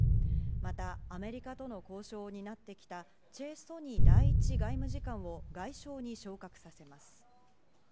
また、アメリカとの交渉を担ってきたチェ・ソニ第１外務次官を外相に昇格させます。